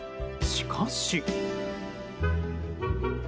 しかし。